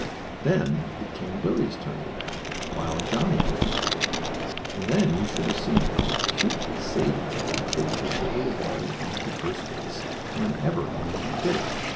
Then it came Bully's turn to bat, while Johnnie Bushytail caught, and then you should have seen how cutely Sadie, the kittie, would roll the ball along to first base whenever any one hit it.